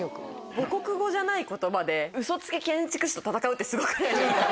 母国語じゃない言葉でウソつき建築士と戦うってすごくないですか？